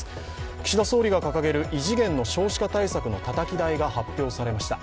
岸田総理が掲げる異次元の少子化対策のたたき台が発表されました。